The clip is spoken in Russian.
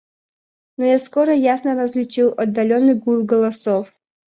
Но я скоро ясно различил отдаленный гул голосов.